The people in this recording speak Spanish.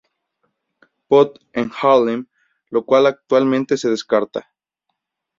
Pot, en Haarlem, lo cual actualmente se descarta.